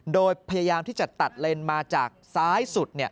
โดยพยายามที่จะตัดเลนมาจากซ้ายสุด